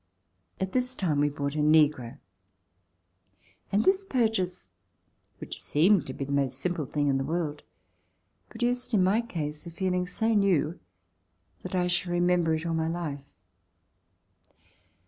At this time we bought a negro, and this purchase, which seemed to be the most simple thing in the world, produced in my case a feeling so new that I shall remember it all my life.